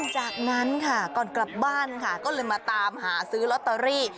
จากนั้นค่ะก่อนกลับบ้านค่ะก็เลยมาตามหาซื้อลอตเตอรี่